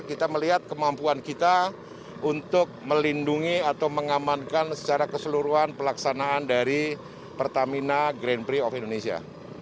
kita melihat kemampuan kita untuk melindungi atau mengamankan secara keseluruhan pelaksanaan dari pertamina grand prix of indonesia